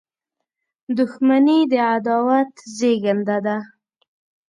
• دښمني د عداوت زیږنده ده.